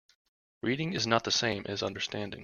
Reading is not the same as understanding.